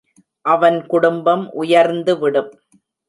அவன் குடும்பம் உயர்ந்துவிடும்.